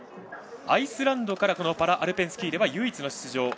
アイスランドからパラアルペンスキーは唯一の出場。